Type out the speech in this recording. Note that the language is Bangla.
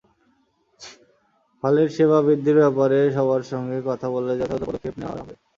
হলের সেবা বৃদ্ধির ব্যাপারে সবার সঙ্গে কথা বলে যথাযথ পদক্ষেপ নেওয়া হবে।